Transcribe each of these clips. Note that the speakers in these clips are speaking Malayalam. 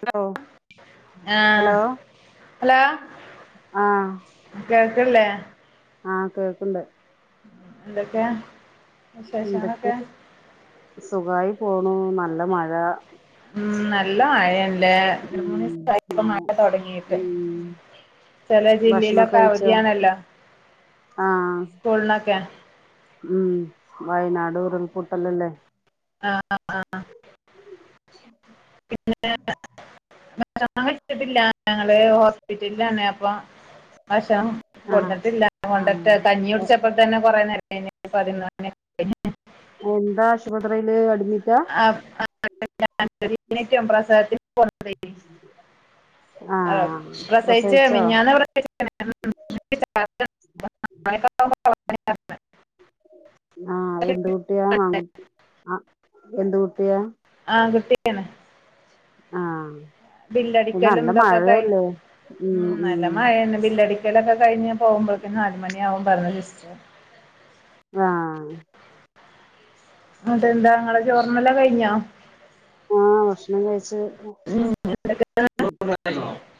സ്പോ ആഹ് ഹലോ ആഹ് കേൾക്ൺല്ലേ ആഹ് കേൾക്ക്ണ്ട് ന്തൊക്കെ ന്തൊക്കെ സുഖായി പോണു നല്ല മഴാ ഉം നല്ല മഴേൺല്ലേ രണ്ട് ഉം മൂന്ന് ദിവസായിപ്പ മഴ തൊടങ്ങീട്ട് ഉം ചെലേ ഭക്ഷണൊക്കെ ജില്ലേലൊക്കെ കഴിച്ചോ അവധിയാണല്ലോ ആഹ് സ്കൂൾനക്കെ ഉം വയ്നാട് ഉരുൾപൊട്ടലല്ലേ ആഹ് ആഹ് ആഹ് പിന്നെ [unintelligible] ട്ടില്ല ഞങ്ങള് ഹോസ്പിറ്റൽലാണ് അപ്പൊ ഭഷണം ആഹ് കൊട്ന്നിട്ടില്ല കൊണ്ടര്ട്ടെ കഞ്ഞി ആഹ് കുടിച്ചപ്പോൾ തന്നെ കൊറേ നേരം എഞ് പതിന്ന് മണിക്കെയി എന്താ ആശുപത്രീല് അഡ്മിറ്റാ ആഹ് [unintelligible] റ്റും പ്രസവ ആഹ് പ്രസയിച്ച് മിഞ്ഞാന്ന് പ്രസവിച്ചെണ് ആഹ് എന്ത് കുട്ടിയാ ആൺകു ആഹ് എന്ത് കുട്ടിയാ ആൺകുട്ടി യാണ് ആഹ് ബില്ലടിക്കലും നല്ല തൊക്കെ കയ് മഴയല്ലേ ഉം നല്ല മഴേന്ന് ബില്ലടി ക്കൊലൊക്കെ ക്കഴിഞ്ഞ് പോവുമ്പ ൾക്ക്ന് നാല്മണിയാവും പറഞ്ഞ് സിസ്റ്റ ആഹ് ആഹ് അതെന്താ ങ്ങളെ ചോർന്നെല്ലാം കഴിഞ്ഞോ ആഹ് ഭക്ഷ്ണം കഴിച്ച് [unintelligible]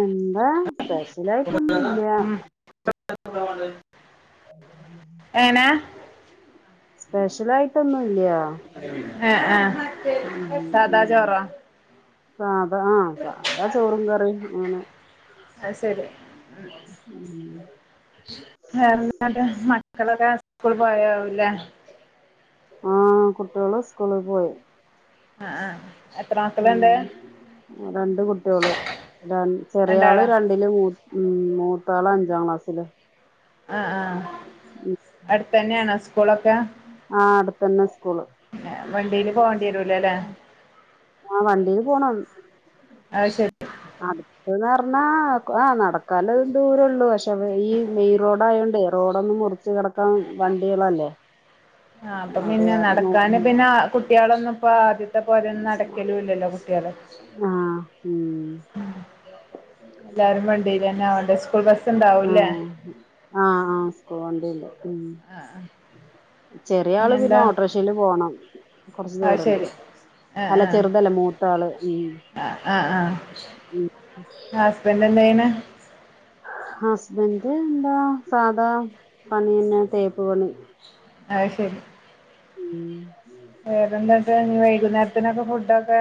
എന്താ സ്പെഷ്യലായിട്ടൊന്നുല്യാ [unintelligible] ഏനാ സ്പെഷ്യലായിട്ടൊന്നുല്യാ ആഹ ആഹ സദാ ഉം ചോറാ സാധാ ആ സാധാ ചോറും കറിയും അങ്ങനെ അ ശരി ഉം. വേറെന്താണ് മ ക്കളൊക്കെ സ്കൂ പോയികാണുല്ലേ ആ കുട്ടികള് സ്കൂളിൽ പോയി ആഹ ആഹ്‌. ഉം രണ്ട് കുട്ടികള് ര ചെറിയ ആള് രണ്ടാളോ ര വല് മൂ ഉ മൂത്താള് അഞ്ചാ ക്ലാസ്സില് ആഹ്‌ ആഹ്‌ ഉം. അടുത്തന്നെയണ സ്കൂളൊക്കെ ആ അടുത്തന്നെ സ്കൂള് പിന്നെ വണ്ടിയില് പോകേണ്ടി വരൂല അല്ലേ ആഹ് വണ്ടിയില് പോണം ആശ അട് അന്ന് പറഞ്ഞാ ആഹ് നടക്കാല ദൂരള്ളൂ പക്ഷെ ഈ മെയിൻ റോഡയോണ്ട് റോഡൊന്നും മുറച്ച് ച് കടക്കാൻ വണ്ടികളല്ലേ ആ അപ്പൊ അത് പിന്നെ കാരണം നോ നടക്കാന് ഉം പിന്നെ കുട്ടിയുള്ന്നപ്പോ ആദ്യത്തെ പോരെയൊന്നും നടക്കലും ഇല്ലല്ലോ കുട്ടികള് ആഹ് ഉം ഉ എല്ലാരും വണ്ടീല്ലന്നെ ആവണ്ട സ്കൂൾ ബസ് ഉണ്ടാവൂല്ലേ ഉം. ആഹ്‌ ആഹ്‌. പോണ്ടല്ല ഉ ആഹ്‌ ആഹ്. ചെറിയ ആള് പിന്നെ ഓട്ടോറിക്ഷയില് പോണം കൊറച്ച് അത് ദൂരണ്ട് ശരി ആ അല്ല ആ ചെറുതല്ല മൂത്താള് ഉം ആ ആ ഉം. പിന്നെന്താ പിന്നെ ഹസ്ബന്റ് എന്താ സാധാ പണിന്നെ തേപ്പ് പണി ആ ശരി ഉം വേറെന്തട്ട് ന വൈകുന്നേരത്തിനൊക്കെ ഫുഡൊക്കെ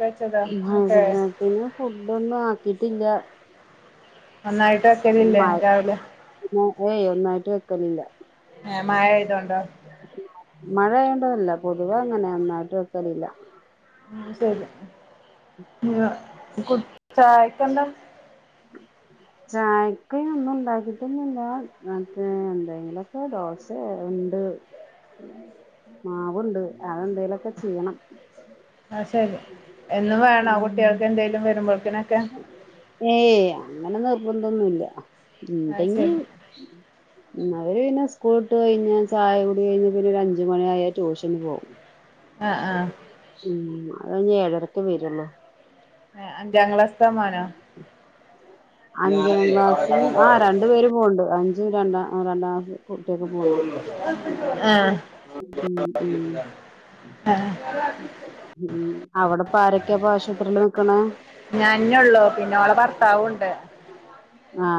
കച്ചോയ്ക്ക് ഭയ പിെ ഫുഡ ഒന്നും ആക്കിട്ടില്ല നന്നായിട്ട ലല്ലേ മഴ രാവില ഏയ് ഒന്നായിട്ട് വെക്കലില്ല മഴ ആയതോണ്ടോ മഴയേണ്ടതല്ല പൊതുവ അങ്ങനെ നന്നായിട്ട് വെക്കലില്ല ഉ ശരി കു ചായക്കെന്താ [inaudible] ചായക്ക് ഒന്നും ഉണ്ടാക്കിട്ടൊന്നുല്ല മറ്റേ എന്തെങ്കിലക്കെ ദോശ ഉണ്ട്. മാവുണ്ട് അതെന്തേലൊക്കെ ചെയ്യണം. ആ ശരി എന്നും വേണോ ഉം കുട്ടികൾക്ക് എന്തെലും വരുമ്പോഴക്കിനൊക്കെ? ഏയ് അങ്ങനെ നിർബന്ധം ഒന്നുല്ല അത് ഇണ്ടെങ്കി ശരി ഉം അവര് പിന്നെ സ്കൂള് വിട്ട് കഴിഞ്ഞാ ചായ കൂടി കഴിഞ്ഞാ പിന്നെ ഒരു അഞ്ചുമണിആയാ ട്യൂഷന് പോവു ആഹ് ആഹ് ഉം അത് ഇനി ഏഴരക്കേ വരുള്ളും. അഞ്ചാം ക്ലാസ്തേ മോനോ അഞ്ചാം ഞാനേ അവിടെ ക്ലാസും കടന്നോ ആ രണ്ടു പേരും പോണ്ട് അ ജും രണ്ട രണ്ടാ ക്ലാസ്. കുട്ടിയൊക്കെ പോണ്ട് [inaudible] ഏ ഉം ഉം [unintelligible] ഉം. അവിടെപ്പ ആരൊക്കെയാ അപ്പൊ ആശുപത്രിയില് നിക്കണേ? ഞാനേഉള്ളൂ. പിന്നെ ഓളുടെ ഭർത്താവും ഉണ്ട്. ആ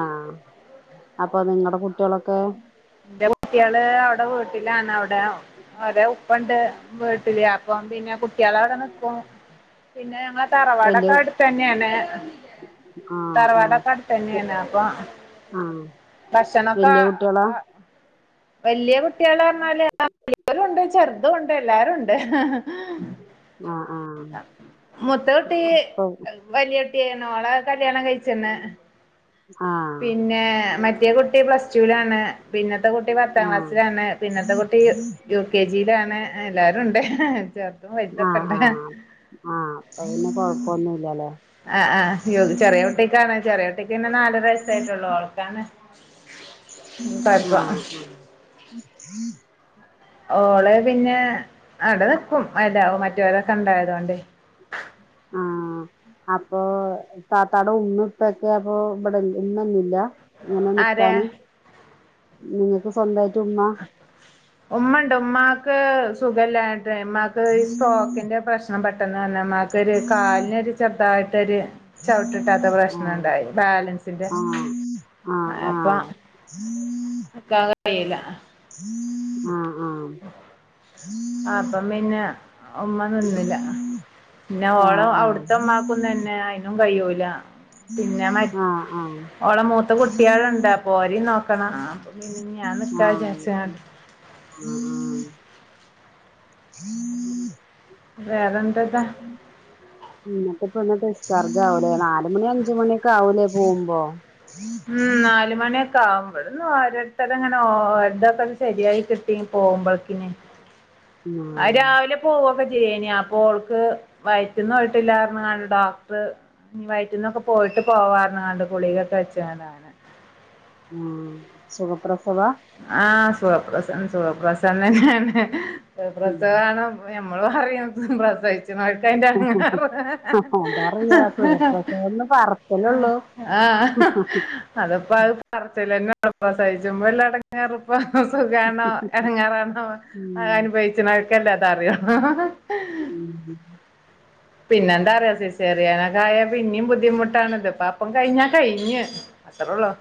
അപ്പൊ നിങ്ങളടെ കുട്ടികളൊക്കെ? എന്റെ കുട്ടികള് അവിടെ വീട്ടിലാണ്. അവിടെ അവരെ ഉപ്പയുണ്ട്. വീട്ടില് അപ്പം പിന്നെ കുട്ടികളെ അവിടെ നിക്കും. പിന്നെ ഞങ്ങടെ വല്യ തറവാടൊക്കെ അടു തന്നെയാണ് ആഹ് ആഹ് തറവാടെക്കെ അടുത്തു തന്നെയാണ്. അപ്പൊ- വല്യ കുട്ടികളാ? വലിയ കുട്ടികള് പറഞ്ഞാല് വല്യരും ഉണ്ട് ചെറുതും ഉണ്ട് എല്ലാരു ഉണ്ട്. ആഹ് ആഹ് മുത്ത കുട്ടി ഇപ്പൊ വലിയ കുട്ടിയാണ്. ഓളെ കല്യാണം കഴിച്ചന്ന്. ആഹ് പിന്നെ മറ്റേ കുട്ടി പ്ലസ് ടു വിലാണ്. പിന്നത്തെ കുട്ടി പത്താം ആഹ് ക്ലാസ്സിലാണ്. പിന്നത്തെ കുട്ടി യു [unintelligible] കെ ജിയിലാണ് എല്ലാരും ഉണ്ട്. ചെറതും വലുതൊക്കെ ഉണ്ട്. ഹ ആ അപ്പ പിന്നെ കൊഴപ്പൊന്നുമില്ലല്ലേ? ആ ആ യ ചെറിയ കുട്ടിക്കാണ് ചെറിയ കുട്ടിക്ക് തന്നെ നാലര വയസായിട്ടുള്ളു ഓൾക്കാണ് ആ കൊഴപ്പം ആഹ് ഓള് പിന്നെ അവിടെ നിക്കും. മറ്റമറ്റ വരെക്കെ ഉണ്ടായതുകൊണ്ട്. ആഹ് [unintelligible] അപ്പൊ താത്തയുടെ ഉമ്മ, ഉപ്പയെക്കെ അപ്പൊ ഇവിടെ ഉമ്മ ഒന്നും ഇല്ല ഇങ്ങനെ ആരാ നിക്കാന് നിങ്ങക്ക് സ്വന്തമായിട്ട് ഉമ്മ ഉമ്മണ്ട് ഉമ്മാക്ക് സുഖല്ലാഞ്ഞിട്ട് ഉമ്മാക്ക് ഈ സ്റ്റോക്കിന്റെ പ്രശ്ന ണം പെട്ടെന്ന് വന്നതാ. ഉമ്മക്ക് ഒരു കാലിന് ഒരു ചെറുതായിട്ട് ഒരു ചവിട്ടിട്ടാത്ത ആഹ് പ്രശ്നുണ്ടായി. ബാലൻസിന്റെ ആഹ് ആഹ് അപ്പൊ [unintelligible] നിക്കാൻ കഴിയുല ആ അപ്പം പിന്നെ ഉമ്മ നിന്നില്ല. പിന്നെ ആഹ് ഓള് ആഹ് അവിടത്തെ ഉമ്മാക്കു നതന്നെ അയിനും കഴിയൂല. പിന്നെ മ ആഹ് ആഹ് ആഹ് ഓളെ മൂത്ത കുട്ടികളുണ്ട്. ഓരേയും നോക്കണം. അപ്പൊ പിന്നെ ഞാൻ നിക്ക ആഹ് ആഹ് വിചാരിച്ചാണ്ട് [unintelligible] വെറതൊക്കെ ഇന്ന് ഇപ്പ ഡിസ്ചാർജ് ആവലാ നാ ലു മണി അഞ്ചുമണിയക്കെ ആവൂലേ പോകുമ്പോ? നാലുമണിയൊക്കെ ആവും ഒരിടത്തരങ്ങനെ ഒര്തൊക്കെ ശരിയായി കിട്ടി പോകുമ്പോളക്കിനന് ആ ആഹ് രാവിലെ പോവൊക്കെ ചെയ്യും അപ്പൊ ഓൾക്ക് വയറ്റന്ന പോയിട്ടില്ലാരന്ന പറഞ്ഞ് ഡോക്ടർ വയറ്റന്നൊക്കെ പോയിട്ട് പോകാൻ ഗുളികൊക്കെ വെച്ചാണ് മം സുഖപ്രസവ ആഹ സുഖപ്രസവം സുഖപ്രസവം തന്നെയാണ് സുഖപ്രസവം നമ്മൾ പറയും പ്രസ ഉം അതറിയാം സുഖപ്രസവം ഒന്ന് പറച്ചിലൊള്ളൂ [unintelligible] ആഹ് അതപ്പോ അത് പറച്ചിലന്നെ ഇണ്ടാവു പ്രസവിചുമ്പോ ഇള എടങ്ങേറ് [unintelligible] സുഖമാണോ [unintelligible] ഉം അനുഭവിച്ച അനുഭവിക്കനോക്കലെ അറിയൂ ഉം [inaudible] പിന്നെ എന്താറിയ സിസേറിയൻ ആയാൽ പിന്നയും ബുദ്ധിമുട്ടാാണ് ഇത്പ്പ അപ്പം കഴിഞ്ഞാ കഴിഞ്ഞ് അത്ര ഉള്ളൂ -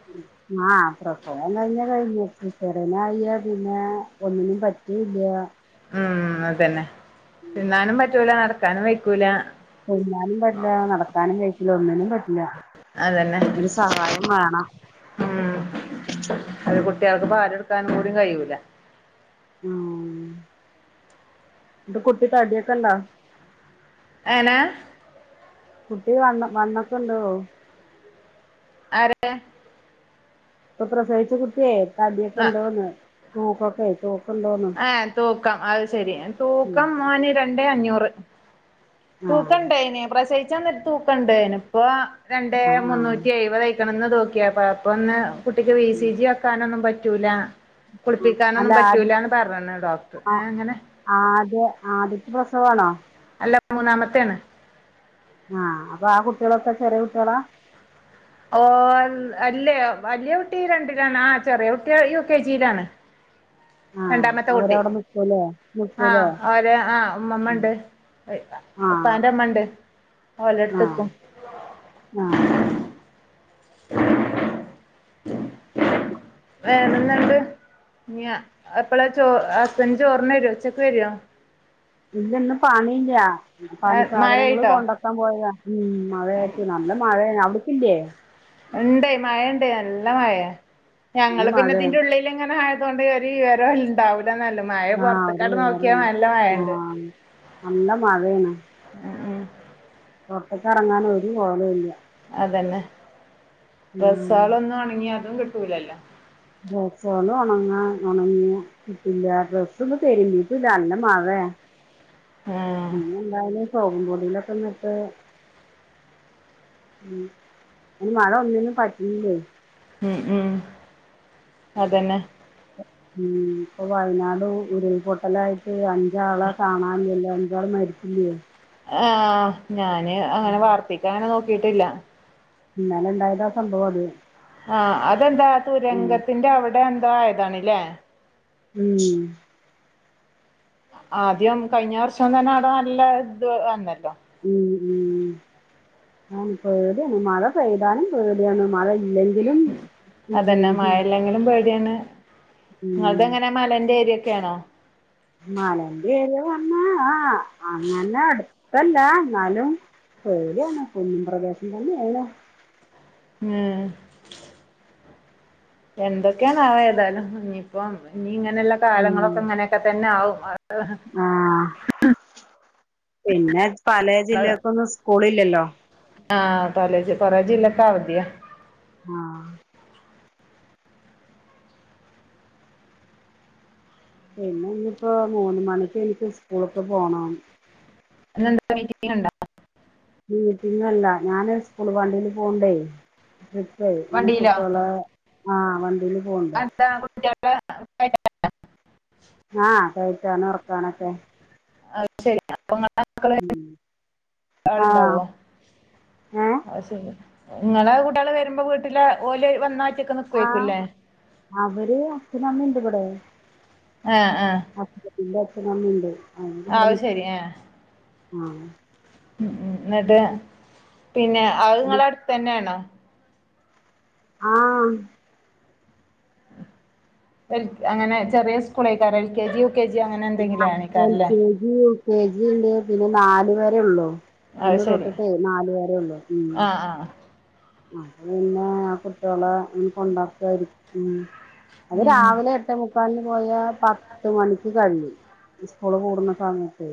ആഹ് പ്രസവം കഴിഞ്ഞ കഴിഞ്ഞ സിസേറിയൻ ആയ പിന്നെ ഒന്നിനും പറ്റല്ലോ- ഉം അതന്നെ തിന്നാനും പറ്റൂല നടക്കാനും വെക്കൂല തിന്നാനും പറ്റില്ല നടക്കാനും പറ്റില്ല ഒന്നിനും പറ്റില്ല. അതന്നെ- ഒരു സഹായം വേണം ഉം അത് കുട്ടികൾക്ക് പാല കൊടുക്കൻ കൂടി കഴിയൂല- ആഹ് കുട്ടി താടിയക്ക ഉണ്ട? [unintelligible] കുട്ടി വണ് വണ്ണക്കെ ഉണ്ടോ? ആരുടെ? ഇപ്പോ പ്രസവിച്ച കുട്ടി കുട്ട തടി ആഹ് തൂക്കുക ഉണ്ടോ? ആഹ് ഏ്ഹ തൂക്കം അത് ശെരി ഉം തൂക്കം മോനെ രണ്ട് അഞ്ഞൂറ്- ആഹ് തൂക്കുണ്ടേന പ്രസയിച്ചന്നിട്ട് തൂക്കുണ്ട് ഇപ്പോ രണ്ട് ആഹ് മുന്നൂറ്റി ആഹ് എഴുപത [unintelligible] അപ്പ അപ്പൊ ഒന്ന് കുട്ടിക്ക് വി സി ജി ഒക്കാന ഒന്നും പറ്റൂല- അല്ല കുളിപ്പിക്കാനൊന്നും ആദ്യ പറ്റൂല്ലന്ന് പറഞ്ഞന്ന് ഡോക്ടർ ഏഹ് ആ- അങ്ങനെ ആദ്യ ആദ്യത്തെ പ്രസവ ആണോ? അല്ല മൂന്നാമത്തോണ്- ആഹ് അപ്പൊ ആ കുട്ടികളൊക്കെ ചെറിയ കുട്ടികളാ? ഓ അല്ലേ വലിയ കുട്ടി രണ്ടിലാണ് ആഹ് ചെറിയ കുട്ടി യു കെ ജിയിലാണ്- രണ്ടാമത്തെ അവര് കുട്ടി അവിടെ നിക്കുല്ലേ? ആഹ് ര് ആഹ് ഉമ്മമ്മ ആഹ് ഉപ്പാന്റെ അമ്മ ഉണ്ട് ഓളെടുത്തു ആഹ് നിൽക്കും. ആഹ് വേറെ എന്തുഒണ്ട് ഹസ്ബൻഡ് ചോറിന് വരുമോ ഉച്ചക്ക് വരുമോ? ഇല്ല ഇന്ന് പണിയില്ല പണി ആഹ് സാധനങ്ങള് മഴയിട്ടോ കൊണ്ട [unintelligible] നല്ല മഴയ അവിടക്കില്ലേ? ഉണ്ട് മഴ ഉണ്ട് നല്ല മഴ നല്ല ഞങ്ങള് പിന്നെ മഴയാ ഇതിന്റെ ഉള്ളിൽ ഇങ്ങനെ ആയത കൊണ്ട് ഇവര് ഇവര ഉണ്ടാവില്ല എന്നല്ല മഴ ആഹ് ഒരു പുറത്തക്കാട് നോക്കിയാ വിവരവുമില്ല നല്ല മഴുണ്ട് ആഹ് നല്ല മഴയാണ്. ഉം ഉം. പുറത്തേക്കിറങ്ങാൻ ഒരു കോളു ഇല്ല അതന്നെ ഡ്രസ്സ് ഉം ഒന്നും ഉണങ്കി അതും കിട്ടൂലല്ലോ- ഡ്രസ്സുകൾ ഉണങ്ങാൻ ഉണങ്ങിയ കിട്ടില്ല ഡ്രസ്സൊ തെരുമ്പീട്ടില്ല നല്ല മഴ ആഹ് പിന്നെ എല്ലാവരും സോപ്പുംപൊടീലൊക്കെന്നിട്ട് ഉം അയ്ന് മഴ ഒന്നിനും പറ്റുന്നില്ലേ ഉം ഉം അതന്നെ. ഉം ഇപ്പൊ വയനാട് ഉരുൾപൊട്ടലായിട്ട് അ അഞ്ചാളെ കാണാനില്ല അഞ്ചാള് മരിച്ചില്ലയോ- ആഹ് ഞാന് അങ്ങന വർത്തെക്ക അങ്ങന നോക്കിട്ടില്ല- ഇന്നലെ ഇണ്ടായത സംഭവം അത് - ആഹ് അതെന്താ തുരങ്കത്തിന്റെ അവിടെ എന്തോ ആയതാണല്ലേ? ഉം. ആദ്യം കഴിഞ്ഞ വർഷം തന്ന അവ്ട നല്ല ഇത് വന്നല്ലോ- ഉം ഉം ആണ് പേടിയാണ് മഴ പെയ്താലും പേടിയാണ് മഴ ഇല്ലെങ്കി ഉം അതന്നെ മഴല്ലെങ്കിലും പേടിയാണ് ഉം നിങ്ങളത് എങ്ങന നെ മലേന്റെ ഏരിയൊക്കെ ആണോ? മലേന്റെര് വന്ന ആ അങ്ങന അടുത്തല്ല എന്നാലും പേടിയാണ് കുന്നും പ്രദേശം തന്നെയാണ് മ്മ് എന്തൊക്കെയാണാവ്വോ ഏതാലും ഇനിയിപ്പം ഇനി ഇങ്ങനൊള്ള കാലങ്ങളൊക്കെ ഇങ്ങനെയൊക്കെ തന്നെ ആകും ആഹ് പിന്നെ പലേ ജില്ലകക്കൊന്നും സ്കൂള്ല്ലല്ലോ ആഹ് പലേ ജി കൊറേ ജില്ലക്കവതിയ ആഹ് പിന്നെ ഇനിയിപ്പോ മൂന്ന് മണിക്ക് എനിക്ക് സ്കൂൾക്ക് പോണം ഇന്നെന്ത്ത മീറ്റിങ് ഒണ്ടോ മീറ്റിങ്ങല്ല ഞാന് സ്കുള് വണ്ടീല് പോവ്ണ്ടെ ട്രിപ്പെ ഈ വണ്ടിയിലോ കുട്ടികളെ ആഹ് വണ്ടീല് അതെന്താ കുട്ടികളെ [inaudible] ആഹ് കെയറ്റാനും എറക്കാനൊക്കെ അത് ശരി അപ്പമക്കളെടുത്ത് ഉം ആ ആള്ണ്ടാവോ ഏ ആ ശരി നിങ്ങള കുട്ടികള് വരുമ്പോ വീട്ടില് ഓല് വന്നാ ഒറ്റക്ക്നിക്ക് ആഹ് അവര് അച്ഛനമ്മെണ്ടിവിടെ ആഹ് ആഹ് ഹസ്ബൻഡിന്റെ അച്ഛനമ്മേണ്ട് അതോണ്ട് ഇവിട അത് നിക്കും ശരി ആഹ് ആഹ് ഉം എന്നട്ട് പിന്നെ അത്ങ്ങള ഇനി- അടുത്തന്നെയാണോ ആഹ് എൽ അങ്ങനെ ചെറിയ സ്കൂളെക്കാരം L K G U K G അങ്ങന എന്തെങ്കിലു എൽ ആയിരിക്കുവല്ലേ കെ യു കെ ജി ഇണ്ട് പിന്നെ നാലു വെരെ ഉള്ളു അത് ഒന്ന് ശരി തൊട്ടിട്ടെ നാല് വെരെ ഉള്ളൂ ഉം ആഹ് ആഹ് അത് പിന്നെ ആ കുട്ടികളെ ഇനി കൊണ്ടാക്കുവായിരിക്കും ഉം അത് ഉം രാവിലെ എട്ടെ മുക്കാൽന് പോയാ പത്ത് മണിക്ക് കഴിയും സ്കുള് പൂടുന്ന സമയത്ത്